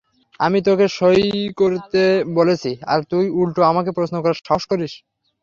আমি তোকে সই করতে বলেছি আর তুই উল্টো আমাকে প্রশ্ন করার সাহস করিস?